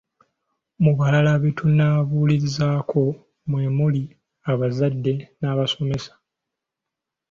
Mu balala be tunaabuulirizaako mwe muli abazadd n’abasomesa.